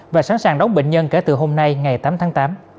và sẵn sàng đón bệnh nhân kể từ hôm nay ngày tám tháng tám